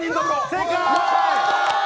正解！